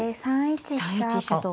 ３一飛車と。